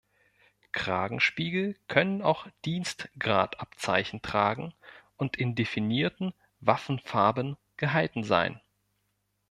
Kragenspiegel können auch Dienstgradabzeichen tragen und in definierten Waffenfarben gehalten sein.